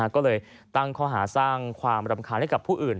ก็เลยตั้งข้อหาสร้างความรำคาญให้กับผู้อื่น